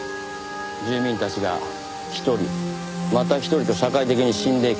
住民たちが一人また一人と社会的に死んでいく。